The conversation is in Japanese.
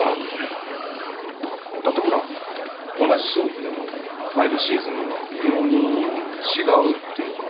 だってほら同じ商品でもファイブシーズンのは微妙に違うっていうか。